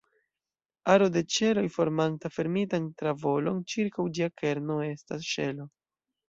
Aro de ĉeloj formanta fermitan tavolon ĉirkaŭ ĝia kerno estas ŝelo.